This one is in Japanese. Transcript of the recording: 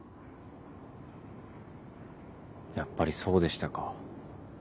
やっぱりそうでしたか。